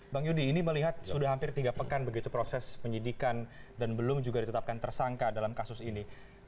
bang yudi ini melihat sudah hampir tiga pekan begitu proses penyidikan dan belum juga ditetapkan tersangka dalam kasus ini